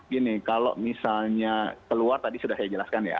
gini kalau misalnya keluar tadi sudah saya jelaskan ya